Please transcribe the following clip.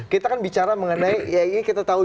kita kan bicara mengenai ya ini kita tahu